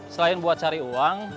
selain buat cari uang